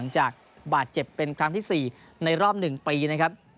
จากบาดเจ็บเป็นครั้งที่๔ในรอบ๑ปีนะครับ